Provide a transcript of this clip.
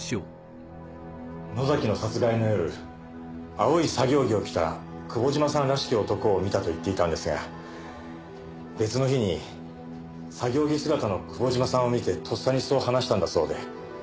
野崎の殺害の夜青い作業着を着た久保島さんらしき男を見たと言っていたんですが別の日に作業着姿の久保島さんを見てとっさにそう話したんだそうで。